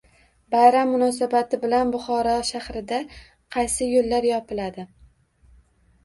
Bayram munosabati bilan Buxoro shahrida qaysi yo‘llar yopiladi?